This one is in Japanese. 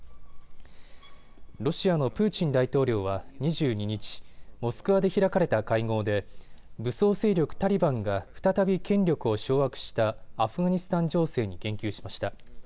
ロシアのプーチン大統領は２２日、モスクワで開かれた会合で武装勢力タリバンが再び権力を掌握したアフガニスタン情勢に言及しました。